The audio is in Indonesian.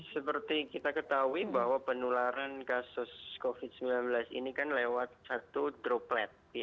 seperti kita ketahui bahwa penularan kasus covid sembilan belas ini kan lewat satu droplet